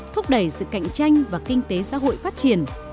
thúc đẩy sự cạnh tranh và kinh tế xã hội phát triển